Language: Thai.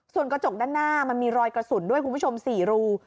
ส่วนกระจกด้านหน้ามันมีรอยกระสุนด้วยคุณผู้ชม๔รู